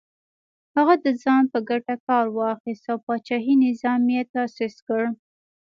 هغه د ځان په ګټه کار واخیست او پاچاهي نظام یې تاسیس کړ.